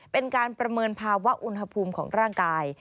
เป็นการประเมินภาวะอุณหภูมิของร่างกาย